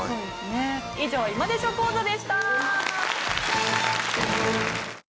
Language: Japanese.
以上『今でしょ！講座』でした。